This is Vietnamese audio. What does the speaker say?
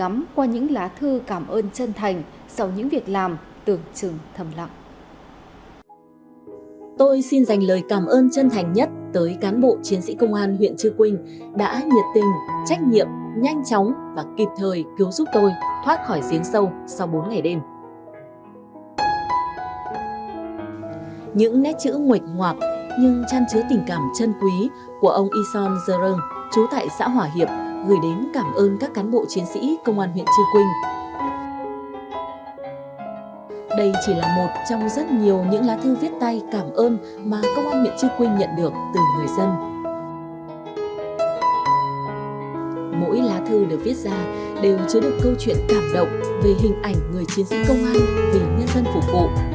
mỗi lá thư được viết ra đều chứa được câu chuyện cảm động về hình ảnh người chiến sĩ công an về nhân dân phục vụ